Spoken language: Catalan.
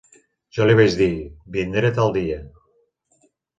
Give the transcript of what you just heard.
Jo li vaig dir: vindré tal dia.